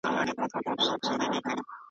راغی چي په خوب کي مي لیدلی وو زلمی پښتون .